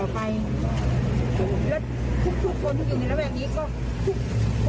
แล้วทุกคนที่อยู่มิลละแวบนี้ก็